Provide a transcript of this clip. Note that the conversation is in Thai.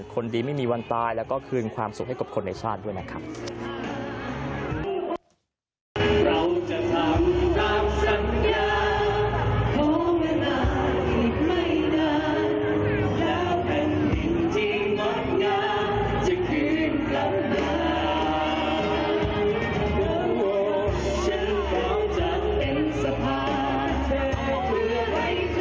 คนดีไม่มีวันตายแล้วก็คืนความสุขให้กับคนในชาติด้วยนะครับ